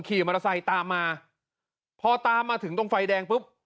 ขี่มอเตอร์ไซค์ตามมาพอตามมาถึงตรงไฟแดงปุ๊บ